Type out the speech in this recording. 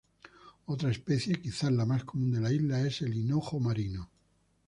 Otra especie, quizá la más común de la isla, es el hinojo marino.